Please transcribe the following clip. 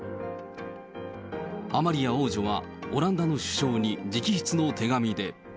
アマリア王女は、オランダの首相に直筆の手紙で。